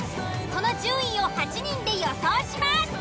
その順位を８人で予想します。